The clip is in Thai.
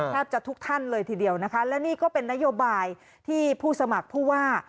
แทบจะทุกท่านเลยทีเดียวนะคะและนี่ก็เป็นนโยบายที่ผู้สมัครผู้ว่า